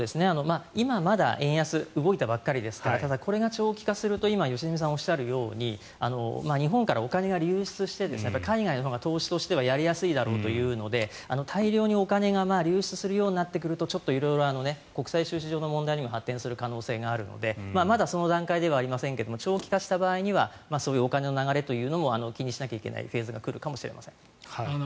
今、まだ円安に動いたばかりですからただ、これが長期化すると今良純さんがおっしゃるとおり日本からお金が流出して海外のほうが投資としてはやりやすいだろうというので大量にお金が流出するようになるとちょっと色々国際収支上の問題にも発展する可能性があるのでまだその段階ではありませんが長期化した場合にはそういうお金の流れというのも気にしなければならないフェーズが来るかもしれない。